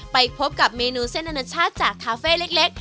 ไปพบกับเมนูเส้นอนาชาติจากคาเฟ่เล็ก